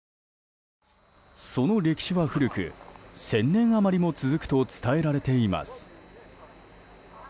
その歴史は古く１０００年余りも続くと伝えられています。